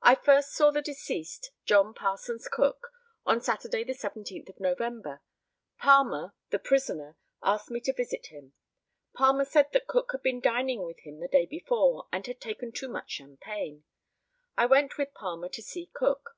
I first saw the deceased, John Parsons Cook, on Saturday, the 17th of November. Palmer, the prisoner, asked me to visit him. Palmer said that Cook had been dining with him the day before, and had taken too much champagne. I went with Palmer to see Cook.